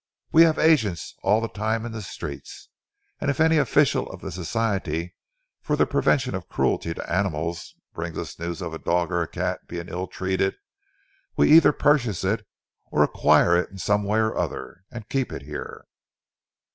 We have agents all the time in the streets, and if any official of the Society for the Prevention of Cruelty to Animals brings us news of a dog or a cat being ill treated, we either purchase it or acquire it in some way or other and keep it here."